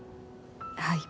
はい。